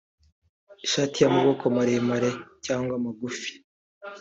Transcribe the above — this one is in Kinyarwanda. ishati y’amaboko maremare cyagwa magufi